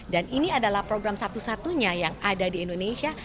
dan ini adalah program satu satunya yang ada di indonesia